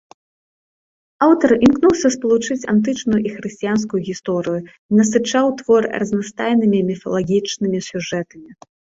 Аўтар імкнуўся спалучыць антычную і хрысціянскую гісторыю і насычаў твор разнастайнымі міфалагічнымі сюжэтамі.